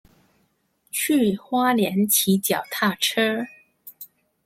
去花蓮騎腳踏車